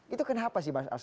itu kenapa sih mas alf